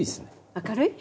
明るい？